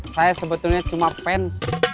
saya sebetulnya cuma fans